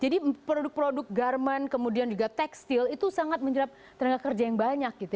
jadi produk produk garmen kemudian juga tekstil itu sangat menjerat tenaga kerja yang banyak gitu